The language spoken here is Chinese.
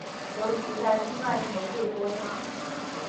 尤其在西半球最多样。